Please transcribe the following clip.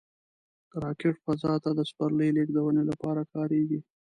راکټ فضا ته د سپرلي لیږدونې لپاره کارېږي